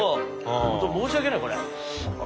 本当申し訳ないこれ。